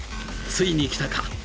ついに来たか？